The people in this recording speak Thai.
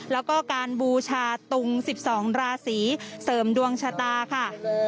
แล้วก็การบูชาตุง๑๒ราศีเสริมดวงชะตาค่ะ